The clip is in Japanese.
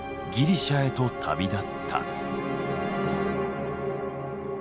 ギリシャへと旅立った。